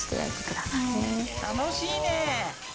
楽しいね。